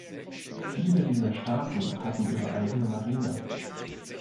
Viele dieser Staaten hatten ihre eigene Marine.